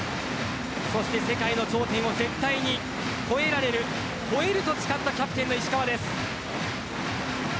そして世界の頂点を絶対に超えられる超えると誓ったキャプテンの石川です。